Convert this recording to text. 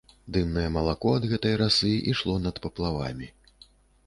Дымнае малако ад гэтай расы ішло над паплавамі.